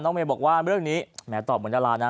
น้องเมย์บอกว่าเรื่องนี้แม้ตอบบนรรดินะ